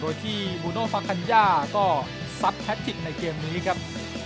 โดยที่บูโนฟากัญญาก็ในเกมนี้ครับ